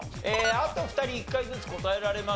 あと２人１回ずつ答えられます。